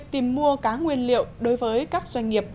tìm mua cá nguyên liệu đối với các doanh nghiệp